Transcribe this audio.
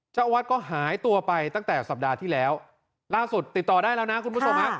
เจ้าอาวาสก็หายตัวไปตั้งแต่สัปดาห์ที่แล้วล่าสุดติดต่อได้แล้วนะคุณผู้ชมฮะ